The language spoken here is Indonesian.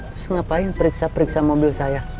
terus ngapain periksa periksa mobil saya